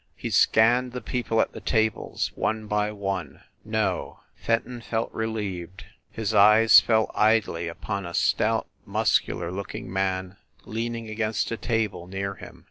He scanned the people at the tables, one by one. No. Fenton felt relieved. His eyes fell idly upon a stout, muscular looking man leaning against a table near him.